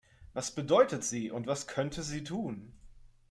Was bedeutet sie und was könnte sie tun?